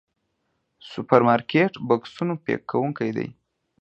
سوپرمارکېټ بکسونو پيک کوونکي دي.